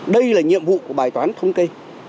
đây là nhiệm vụ của bài toán thông kê